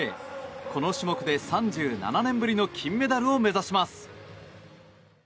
この種目で３７年ぶりの金メダルを目指します。